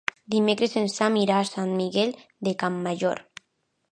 Dimecres en Sam irà a Sant Miquel de Campmajor.